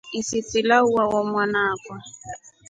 Isisi lamuwaa mwana akwa.